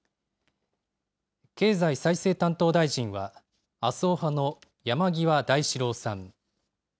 経済再生担当大臣は麻生派の山際大志郎さん。